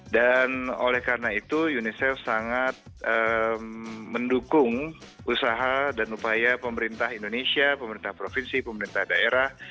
dan oleh karena itu unicef sangat mendukung usaha dan upaya pemerintah indonesia pemerintah provinsi pemerintah daerah